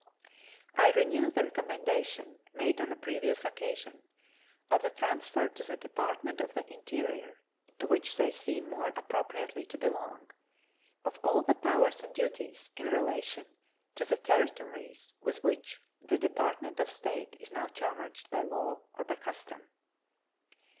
I renew the recommendation made on a previous occasion, of the transfer to the Department of the Interior, to which they seem more appropriately to belong, of all the powers and duties in relation to the Territories with which the Department of State is now charged by law or by custom.